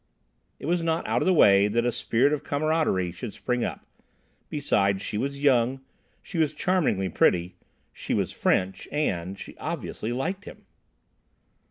It was not out of the way that a spirit of camaraderie should spring up. Besides, she was young, she was charmingly pretty, she was French, and—she obviously liked him.